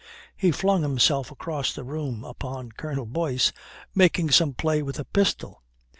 He flung himself across the room upon Colonel Boyce, making some play with a pistol.